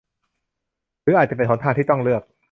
หรืออาจจะเป็นหนทางที่ต้องเลือก